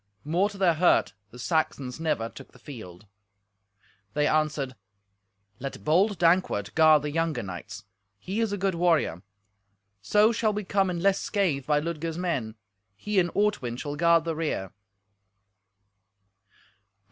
More to their hurt the Saxons never took the field. They answered, "Let bold Dankwart guard the younger knights. He is a good warrior. So shall we come in less scathe by Ludger's men. He and Ortwin shall guard the rear."